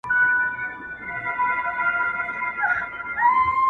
باور نسته یو په بل، سره وېریږي!!